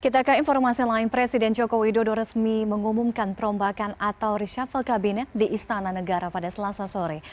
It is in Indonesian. kita ke informasi lain presiden joko widodo resmi mengumumkan perombakan atau reshuffle kabinet di istana negara pada selasa sore